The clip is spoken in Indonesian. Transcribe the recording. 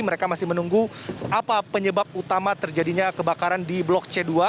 mereka masih menunggu apa penyebab utama terjadinya kebakaran di blok c dua